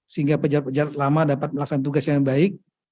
sehingga pejabat pejabat lama dapat melaksanakan tugas yang baik